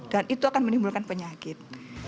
dan itu akan menimbulkan penyakit